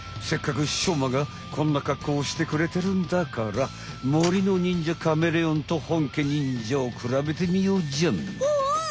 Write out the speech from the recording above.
せっかくしょうまがこんなかっこうしてくれてるんだから森の忍者カメレオンとほんけ忍者をくらべてみようじゃん！